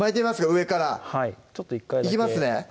上からはいいきますね